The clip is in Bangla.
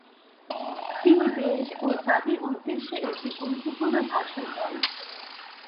তিনি দেশ ও জাতির উদ্দেশ্যে একটি গুরুত্বপূর্ণ ভাষণ দেন।